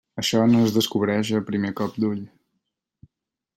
Això no es descobreix a primer cop d'ull.